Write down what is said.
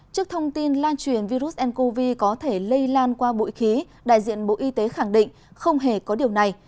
trước thông tin lan truyền virus ncov có thể lây lan qua bụi khí đại diện bộ y tế khẳng định không hề có điều này